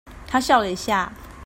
她笑了一下